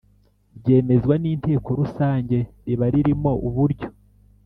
ryemezwa n Inteko Rusange Riba ririmo uburyo